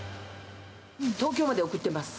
東京まで送ってます。